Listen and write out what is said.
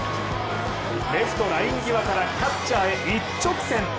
レフトライン際からキャッチャーへ一直線。